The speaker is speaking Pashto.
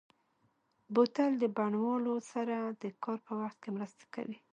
بوتل د بڼوالو سره د کار په وخت کې مرسته کوي.